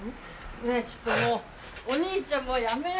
ねぇちょっともうお兄ちゃんもうやめよう。